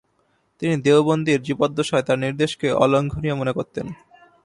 তিনি দেওবন্দির জীবদ্দশায় তার নির্দেশকে অলঙ্ঘনীয় মনে করতেন।